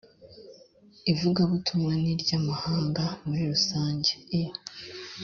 ivugabutumwa ni iry amahanga muri rusange i